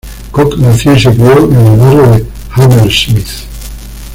Cook nació y se crio en el barrio de Hammersmith.